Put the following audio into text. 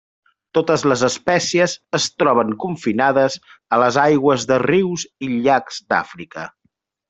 Totes les espècies es troben confinades a les aigües de rius i llacs d'Àfrica.